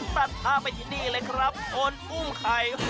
ตัดทาไปทีนี่เลยครับโทนอุ้มไข่